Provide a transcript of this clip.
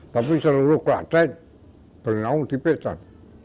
tapi seluruh keladaian bernaung di pedan